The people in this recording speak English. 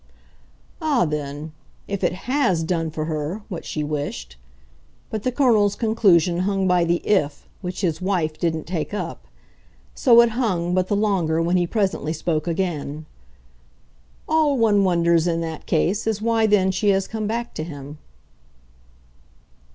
"Ah then, if it HAS done for her what she wished !" But the Colonel's conclusion hung by the "if" which his wife didn't take up. So it hung but the longer when he presently spoke again. "All one wonders, in that case, is why then she has come back to him."